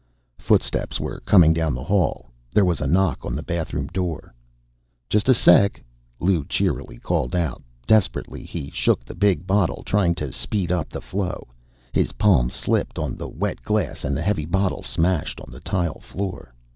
Footsteps were coming down the hall. There was a knock on the bathroom door. "Just a sec," Lou cheerily called out. Desperately, he shook the big bottle, trying to speed up the flow. His palms slipped on the wet glass, and the heavy bottle smashed on the tile floor.